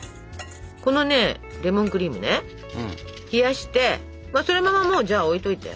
このレモンクリームね冷やしてそのままもうじゃあ置いといて。